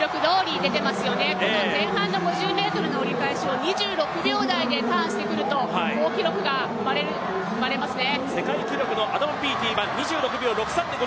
この前半の５０ｍの折り返しを２６秒台でターンしてくると好記録が生まれますね。